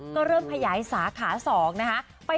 ก็เริ่มขยายสาขา๒นะคะ